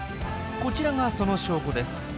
こちらがその証拠です。